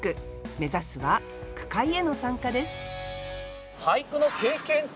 目指すは句会への参加です